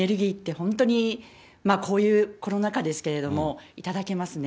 本当に、こういうコロナ禍ですけれども、いただけますね。